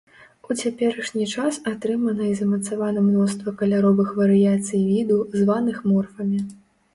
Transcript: У цяперашні час атрымана і замацавана мноства каляровых варыяцый віду, званых морфамі.